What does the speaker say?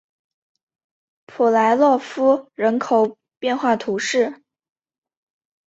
普莱洛夫人口变化图示